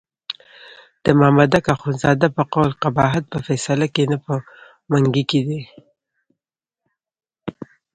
د مامدک اخندزاده په قول قباحت په فیصله کې نه په منګي کې دی.